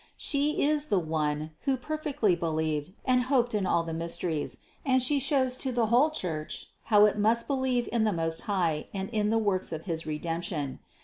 She is the One, who perfectly believed and hoped in all the mysteries, and She shows to the whole Church, how it must believe in the Most High and in the works of his Redemption.